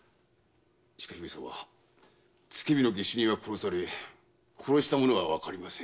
しかし付け火の下手人は殺され殺した者はわかりませぬ。